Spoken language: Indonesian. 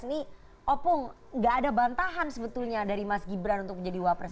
ini opung nggak ada bantahan sebetulnya dari mas gibran untuk menjadi wapres